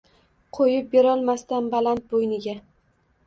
Qo‘yib berolmasdan baland bo‘yniga.